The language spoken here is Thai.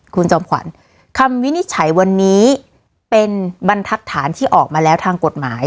คุณจอมขวัญคำวินิจฉัยวันนี้เป็นบรรทัศน์ที่ออกมาแล้วทางกฎหมาย